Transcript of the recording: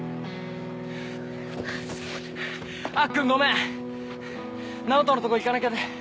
アッくんごめんナオトのとこ行かなきゃで。